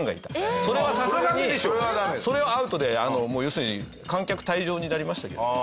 それはさすがにそれはアウトで要するに観客退場になりましたけどね。